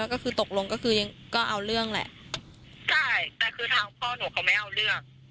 แต่คือถ้าเปิดถามหนูหนูไม่ยอมแน่เพราะน้องหนู